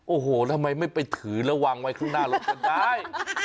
โอ้โหทำไมไม่ไปถือแล้ววางไว้ข้างหน้ารถก็ได้